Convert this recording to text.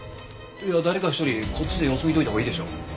いや誰か一人こっちで様子見といたほうがいいでしょ。